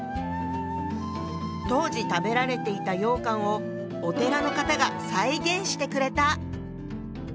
当時食べられていた羊羹をお寺の方が再現してくれた。